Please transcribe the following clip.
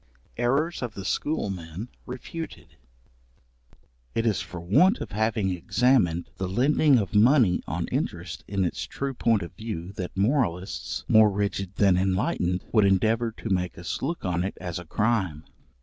Errors of the schoolmen refuted. It is for want of having examined the lending of money on interest in its true point of view that moralists, more rigid than enlightened, would endeavour to make us look on it as a crime.